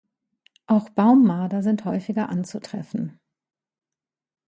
Auch Baummarder sind häufiger anzutreffen.